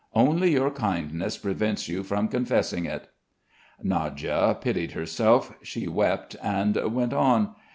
Only your kindness prevents you from confessing it." Nadya pitied herself. She wept and went on.